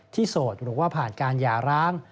ที่โสดหรือว่าผ่านการยาล้าง